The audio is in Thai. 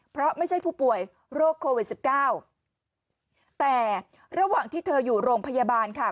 เพราะไม่ใช่ผู้ป่วยโรคโควิดสิบเก้าแต่ระหว่างที่เธออยู่โรงพยาบาลค่ะ